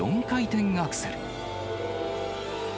４回転アクセル。